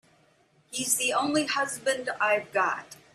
He's the only husband I've got.